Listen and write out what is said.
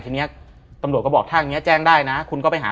ทีนี้ตำรวจก็บอกถ้าอย่างนี้แจ้งได้นะคุณก็ไปหา